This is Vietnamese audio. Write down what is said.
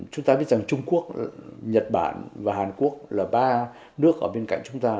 chúng ta biết rằng trung quốc nhật bản và hàn quốc là ba nước ở bên cạnh chúng ta